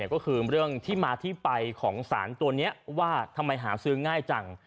ก็คือเรื่องที่มาที่ไปของสารตัวนี้ว่าทำไมหาซื้อง่ายจัง